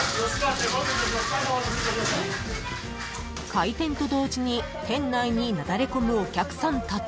［開店と同時に店内になだれ込むお客さんたち］